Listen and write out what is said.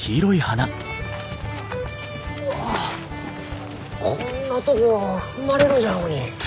うわこんなとこ踏まれるじゃろうに。